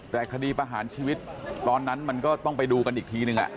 แต่คดีประหารชีวิตตอนนั้นมันก็ต้องไปดูกันอีกทีนึง